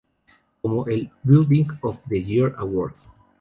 Como el "Building of the Year Award.